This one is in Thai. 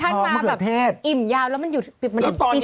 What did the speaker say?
แล้วพอฉันมาแบบอิ่มยาวมันอยู่ปี๔ปะ